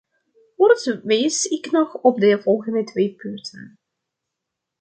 Voorts wijs ik nog op de volgende twee punten.